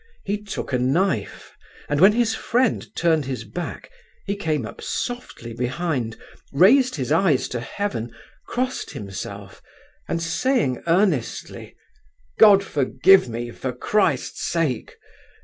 He took a knife, and when his friend turned his back, he came up softly behind, raised his eyes to heaven, crossed himself, and saying earnestly—'God forgive me, for Christ's sake!